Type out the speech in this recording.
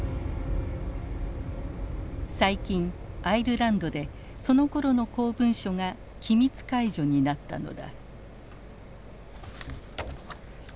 最近アイルランドでそのころの公文書が機密解除になったのだ。